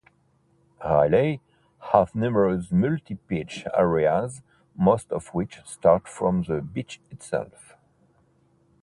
Railay has numerous multi-pitch areas most of which start from the beach itself.